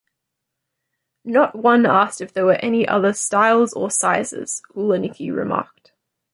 Not one asked if there were any other styles or sizes, Hulanicki remarked.